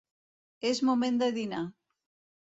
És moment de dinar.